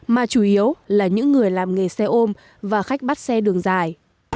mà chủ yếu là những người làm nghề xe ôm và khách bắt xe đường dài